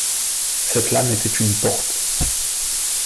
Cette lame était une porte.